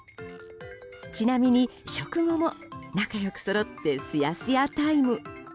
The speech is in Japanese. ちなみに食後も仲良くそろってすやすやタイム。